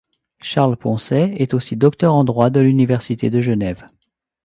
Charles Poncet est aussi docteur en droit de l'université de Genève.